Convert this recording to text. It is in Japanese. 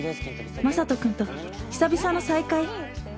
まさと君と久々の再会